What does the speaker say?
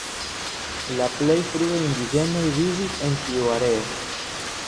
La plej frue indiĝenoj vivis en tiu areo.